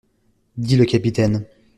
Dit le capitaine.